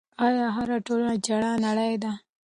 آیا هره ټولنه جلا نړۍ ده؟